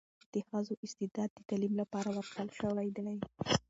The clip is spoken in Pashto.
د ښځو استعداد د تعلیم لپاره ورکړل شوی دی.